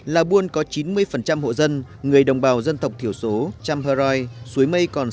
là buôn có chín mươi hộ dân người đồng bào dân tộc thiểu số chamhoroi